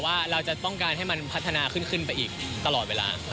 ว่าเราจะต้องการให้มันพัฒนาขึ้นไปอีกตลอดเวลา